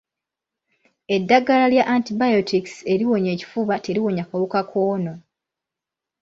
Eddagala lya Antibiotics eriwonya ekifuba teriwonya kawuka kono.